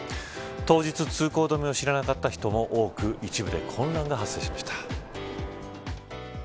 当日、通行止めを知らなかった人も多く一部で混乱が発生しました。